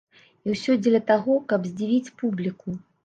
І ўсё дзеля таго, каб здзівіць публіку.